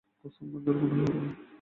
কসম ভাঙ্গার গুনাহ হবে না।